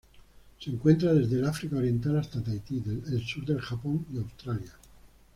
Se encuentra desde el África Oriental hasta Tahití, el sur del Japón y Australia.